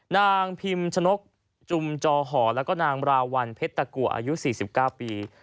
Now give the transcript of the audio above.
นางพิมชนกจุมจอหอแล้วก็นางราวัลเพชรตะกัวอายุ๔๙ปี